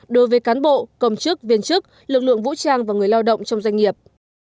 đối với cán bộ công chức viên chức lực lượng vũ trang và người lao động trong doanh nghiệp